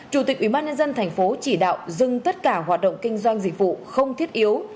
chủ tịch ubnd tp chỉ đạo dừng tất cả hoạt động kinh doanh dịch vụ không thiết yếu